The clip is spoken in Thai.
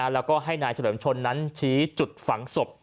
แล้วก็ให้นายเฉลิมชนนั้นชี้จุดฝังศพ